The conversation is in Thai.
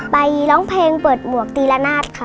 ร้องเพลงเปิดหมวกตีละนาดค่ะ